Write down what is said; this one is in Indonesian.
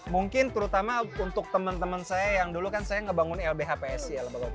mungkin terutama untuk teman teman saya yang dulu kan saya ngebangun lbh psi